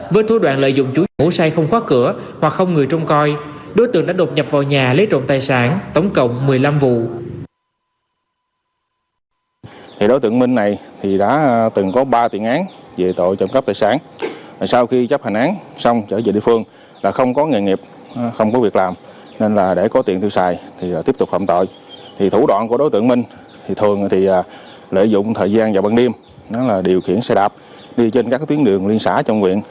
với thủ đoạn lợi dụng chú chủ sai không khóa cửa hoặc không người trông coi đối tượng đã đột nhập vào nhà lấy trộm tài sản tổng cộng một mươi năm vụ